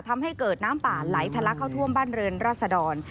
ทำให้เกิดน้ำป่าไหลทะลักเข้าท่วมบ้านเรือนราษดร